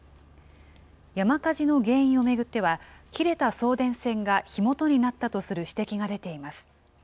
山火事の原因を巡っては、切れた送電線が火元になったとする指摘が出ています。